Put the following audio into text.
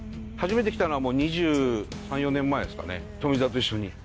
初めて来たのはもう２３２４年前ですかね富澤と一緒に。